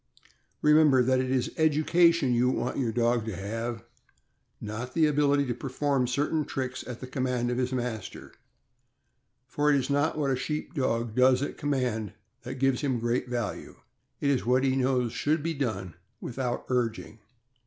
Remember that it is "education" you want your dog to have, not the ability to perform certain tricks at the command of his master; for it is not what a Sheep Dog does at command that gives him great value, it is what he knows should be done without urging. 522 THE AMERICAN BOOK OF THE DOG.